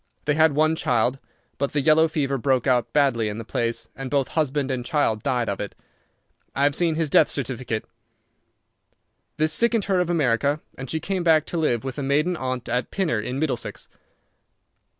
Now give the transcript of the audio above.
They had one child, but the yellow fever broke out badly in the place, and both husband and child died of it. I have seen his death certificate. This sickened her of America, and she came back to live with a maiden aunt at Pinner, in Middlesex.